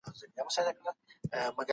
ښځي د جایداد په میراث وړلو کي بشپړ حق لري.